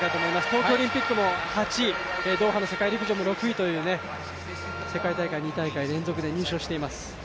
東京オリンピックも８位、ドーハの世界陸上も６位という、世界大会２大会連続で入賞しています。